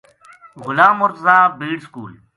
غلام مر تضیٰ بیڑ سکول